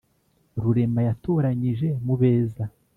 rurema yatoranyije mu beza